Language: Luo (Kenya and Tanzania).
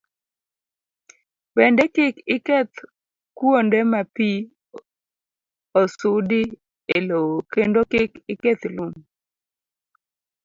Bende, kik iketh kuonde ma pi osudi e lowo, kendo kik iketh lum.